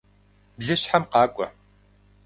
Блыщхьэм къакӏуэ!